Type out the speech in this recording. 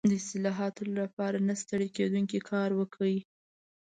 د اصلاحاتو لپاره نه ستړی کېدونکی کار وکړ.